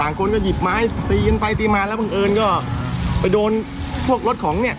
คนก็หยิบไม้ตีกันไปตีมาแล้วบังเอิญก็ไปโดนพวกรถของเนี่ย